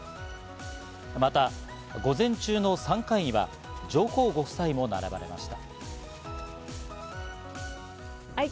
また午前中の３回には上皇ご夫妻も並ばれました。